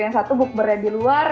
yang satu bukbernya di luar